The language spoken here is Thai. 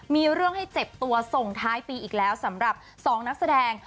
มีเรื่องให้เจ็บตัวส่งท้ายปีอีกแล้วสำหรับ๒นักแสดง